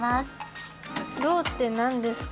ろうってなんですか？